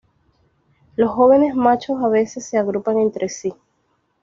Los jóvenes machos a veces se agrupan entre sí.